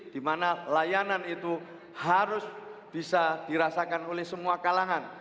di mana layanan itu harus bisa dirasakan oleh semua kalangan